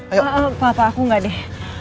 apa apa aku gak deh